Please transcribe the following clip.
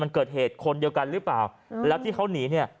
มันเกิดเหตุคนเดียวกันหรือเปล่าแล้วที่เขาหนีเนี่ย